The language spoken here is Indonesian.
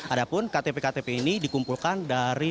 ada pun ktp ktp ini dikumpulkan dari beberapa kondisi